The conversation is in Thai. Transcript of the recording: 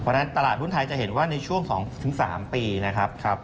เพราะฉะนั้นตลาดหุ้นไทยจะเห็นว่าในช่วง๒๓ปีนะครับ